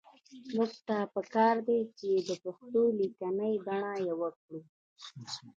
موږ ته پکار دي چې د پښتو لیکنۍ بڼه يوه کړو